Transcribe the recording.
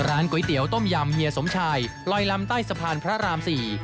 ก๋วยเตี๋ยต้มยำเฮียสมชายลอยลำใต้สะพานพระราม๔